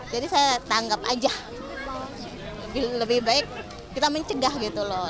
jadi saya tanggap aja lebih baik kita mencegah gitu loh